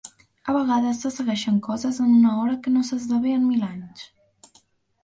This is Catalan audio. A vegades se segueixen coses en una hora que no s'esdevé en mil anys.